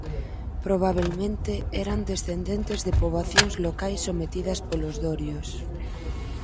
Probabelmente eran descendentes de poboacións locais sometidas polos dorios.